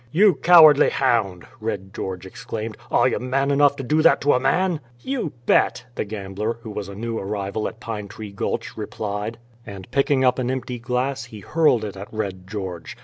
"You cowardly hound!" Red George exclaimed. "Are you man enough to do that to a man?" "You bet," the gambler, who was a new arrival at Pine Tree Gulch, replied; and picking up an empty glass, he hurled it at Red George.